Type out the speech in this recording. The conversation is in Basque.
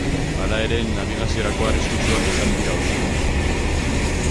Hala ere, nabigaziorako arriskutsuak izan dira oso.